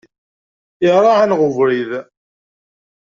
Iraɛ-aneɣ ubrid.